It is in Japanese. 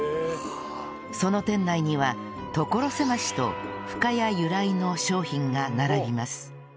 その店内には所狭しと深谷由来の商品が並びます